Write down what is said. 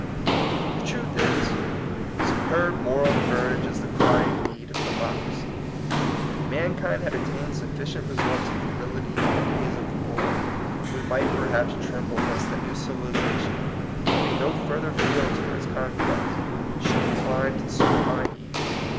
The truth is, superb moral courage is the crying need of democracy. If man THE IRON IN THE BLOOD. 46 kind had attained sufficient results in yiril itj in the days of war, we might perhaps tremble lest the new civilization, having no further fields for its conquest, should decline to supine ease.